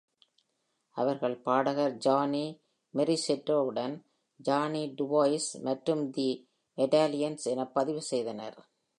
அவர்கள் பாடகர் ஜானி மோரிசெட்டேவுடன், ஜானி டுவோயிஸ் மற்றும் தி மெடாலியன்ஸ் என பதிவு செய்தனர்.